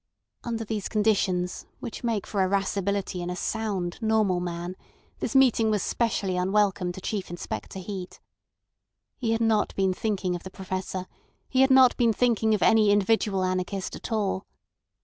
Under these conditions which make for irascibility in a sound, normal man, this meeting was specially unwelcome to Chief Inspector Heat. He had not been thinking of the Professor; he had not been thinking of any individual anarchist at all.